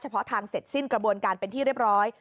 เพาะทางเสร็จสิ้นกระบวนการเป็นที่เรียบร้อย